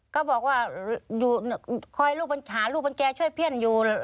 ก็บอกว่าหาลูกมันแกช่วยเพื่อนอยู่